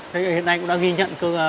thì hiện nay cũng đã ghi nhận